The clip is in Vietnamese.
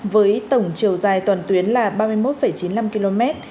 với tổng chiều dài toàn tuyến là ba mươi một chín mươi năm km